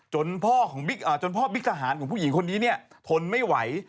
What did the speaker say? จนพ่อของอ่าจนพ่อบิกทหารของผู้หญิงคนนี้เนี่ยทนไม่ไหว